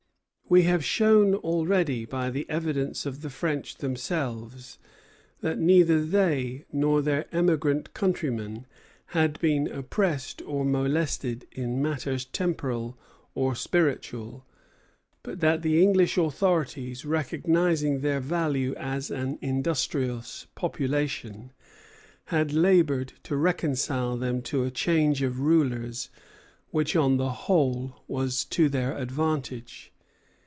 We have shown already, by the evidence of the French themselves, that neither they nor their emigrant countrymen had been oppressed or molested in matters temporal or spiritual, but that the English authorities, recognizing their value as an industrious population, had labored to reconcile them to a change of rulers which on the whole was to their advantage.